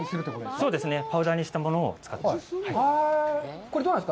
そうですね、パウダーにしたものを使ってます。